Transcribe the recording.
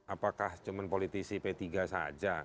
apakah cuma politisi p tiga saja